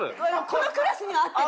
このクラスには合ってる。